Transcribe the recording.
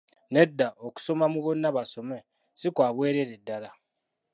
Nedda, okusoma mu Bonna Basome' si kwa bwereere ddala.